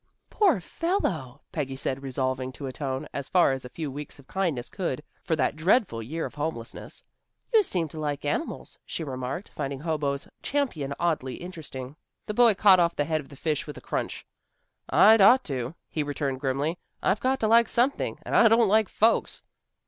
"Poor fellow," Peggy said, resolving to atone, as far as a few weeks of kindness could, for that dreadful year of homelessness. "You seem to like animals," she remarked, finding Hobo's champion oddly interesting. The boy cut off the head of a fish with a crunch. "I'd ought to," he returned grimly. "I've got to like something and I don't like folks."